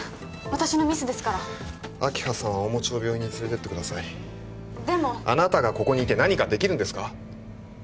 私のミスですから明葉さんはおもちを病院に連れてってくださいでもあなたがここにいて何かできるんですか？